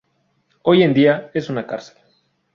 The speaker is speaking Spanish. Hoy en día es una cárcel.